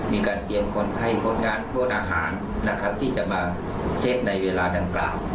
มีการเตรียมคนไข้คนงานโทษอาหารนะครับที่จะมาเช็คในเวลาดังกล่าว